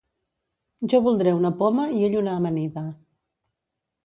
Jo voldré una poma i ell una amanida.